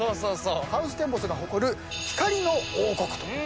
ハウステンボスが誇る光の王国と。